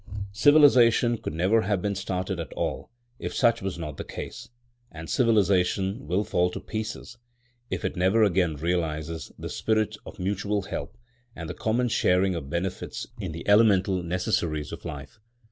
Civilisation could never have been started at all if such was not the case. And civilisation will fall to pieces if it never again realises the spirit of mutual help and the common sharing of benefits in the elemental necessaries of life.